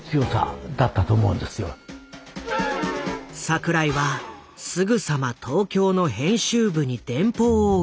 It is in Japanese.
櫻井はすぐさま東京の編集部に電報を打った。